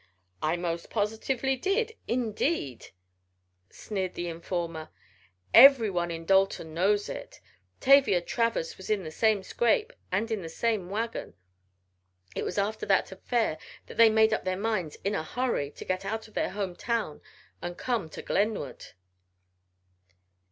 "I most positively did. Indeed!" sneered the informer, "every one in Dalton knows it. Tavia Travers was in the same scrape, and in the same wagon. It was after that affair that they made up their minds, in a hurry, to get out of their home town and come to Glenwood!"